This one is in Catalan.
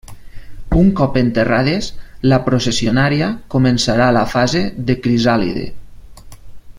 Un cop enterrades, la processionària començarà la fase de crisàlide.